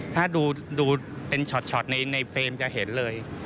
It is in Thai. ถ้าดูเป็นช็อตในเฟรมจะเห็นเลย